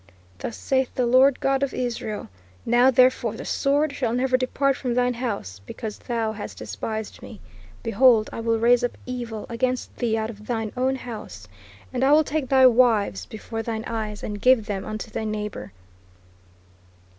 Thus saith the Lord God of Israel ... Now therefore the sword shall never depart from thine house; because thou has despised me ... Behold, I will raise up evil against thee out of thine own house, and I will take thy wives before thine eyes, and give them unto thy neighbor."